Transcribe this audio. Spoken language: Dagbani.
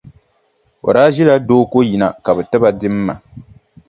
O daa ʒila Dooko yiŋa ka bɛ ti ba dimma.